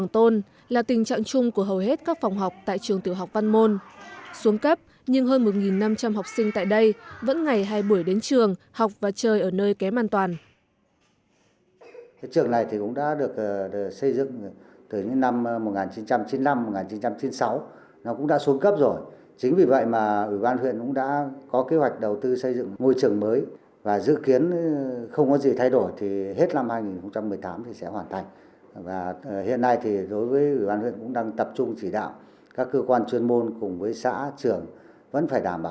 trường học và chơi ở nơi kém an toàn